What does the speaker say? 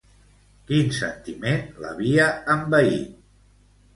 Quin sentiment l'havia envaït?